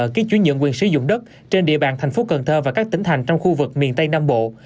ký chuyển nhận quyền sử dụng đất trên địa bàn thành phố cần thơ và các tỉnh thành trong khu vực miền tây nam bộ